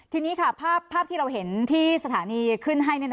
ทีนี้ค่ะภาพที่เราเห็นที่สถานีขึ้นให้